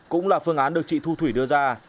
cũng là phương án được chị thu thủy đưa ra